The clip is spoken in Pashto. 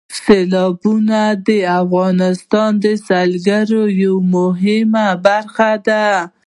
سیلابونه د افغانستان د سیلګرۍ یوه مهمه برخه ده.